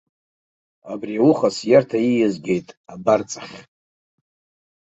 Абри ауха сиарҭа ииазгеит абарҵахь.